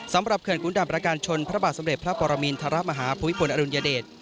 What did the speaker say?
สำหรับเขื่อนกุลดำประการชนพระบาทสำเร็จพระปรมินทรมาฮภพวิพลอรุณยเดช